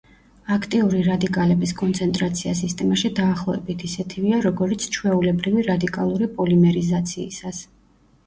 აქტიური რადიკალების კონცენტრაცია სისტემაში დაახლოებით ისეთივეა, როგორიც ჩვეულებრივი რადიკალური პოლიმერიზაციისას.